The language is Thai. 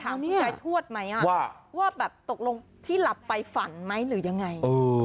ถามคุณกายทวดไหมอ่ะว่าว่าแบบตกลงที่หลับไปฝันไหมหรือยังไงเออ